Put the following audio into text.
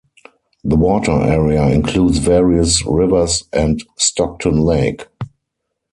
The water area includes various rivers and Stockton Lake.